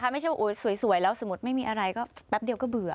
ไม่ใช่ว่าสวยแล้วสมมุติไม่มีอะไรก็แป๊บเดียวก็เบื่อ